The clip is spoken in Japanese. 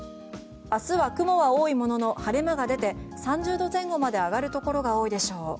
明日は雲は多いものの晴れ間が出て３０度前後まで上がるところが多いでしょう。